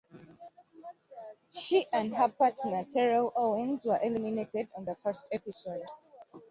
She and her partner Terrell Owens were eliminated on the first episode.